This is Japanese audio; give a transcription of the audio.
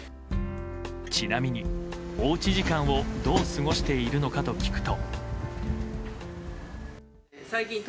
ちなみに、おうち時間をどう過ごしているのかと聞くと。